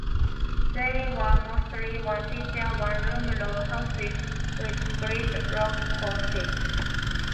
They were mostly one teacher, one-room log houses with split logs for seats.